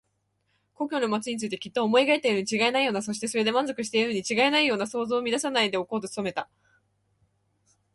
故郷の町についてきっと思い描いているにちがいないような、そしてそれで満足しているにちがいないような想像を乱さないでおこうと努めた。